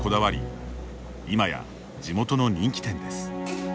今や地元の人気店です。